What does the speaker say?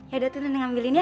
yaudah tuh neng ambilin ya